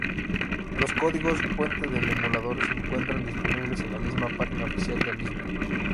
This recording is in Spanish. Los códigos fuente del emulador se encuentran disponibles en la página oficial del mismo.